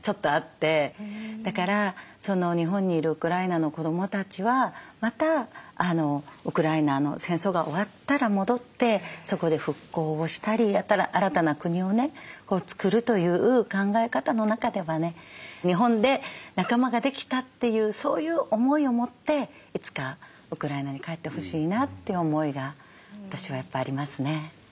だから日本にいるウクライナの子どもたちはまたウクライナの戦争が終わったら戻ってそこで復興をしたり新たな国をね作るという考え方の中ではね日本で仲間ができたっていうそういう思いを持っていつかウクライナに帰ってほしいなって思いが私はやっぱりありますね。